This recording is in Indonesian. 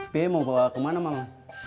pih mau bawa kemana mama